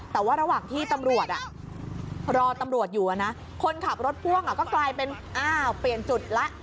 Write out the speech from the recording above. แต่ว่าระหว่างที่ตำรวจรอตำรวจอยู่นะคนขับรถพ่วงก็กลายเป็นอ้าวเปลี่ยนจุดแล้ว